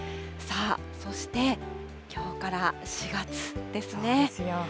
さあ、そして、きょうから４月ですね。